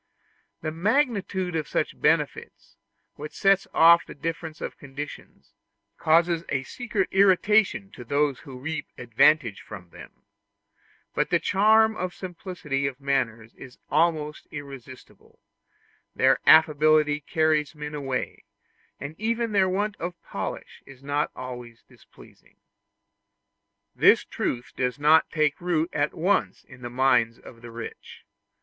The magnitude of such benefits, which sets off the difference of conditions, causes a secret irritation to those who reap advantage from them; but the charm of simplicity of manners is almost irresistible: their affability carries men away, and even their want of polish is not always displeasing. This truth does not take root at once in the minds of the rich.